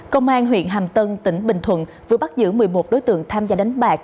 công an huyện hàm tân tỉnh bình thuận vừa bắt giữ một mươi một đối tượng tham gia đánh bạc